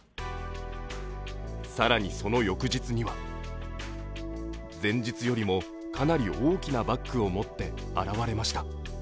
更にその翌日には前日よりもかなり大きなバッグを持って現れました。